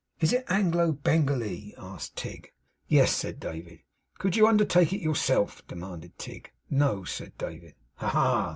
Is it Anglo Bengalee?' asked Tigg. 'Yes,' said David. 'Could you undertake it yourself?' demanded Tigg. 'No,' said David. 'Ha, ha!